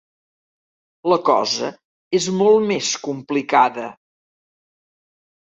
La cosa és molt més complicada.